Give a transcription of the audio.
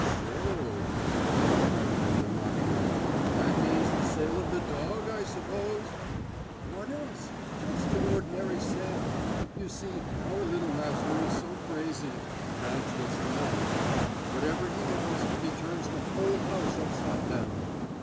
"So o," drawled grandfather mockingly. "That means the sale of the dog, I suppose?" "What else? Just an ordinary sale. You see, our little master is so crazy. That's what's the matter. Whatever he wants, he turns the whole house upside down.